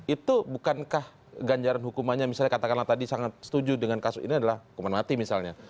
itu bukankah ganjaran hukumannya misalnya katakanlah tadi sangat setuju dengan kasus ini adalah hukuman mati misalnya